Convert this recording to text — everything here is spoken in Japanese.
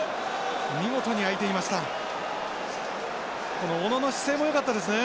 この小野の姿勢もよかったですね。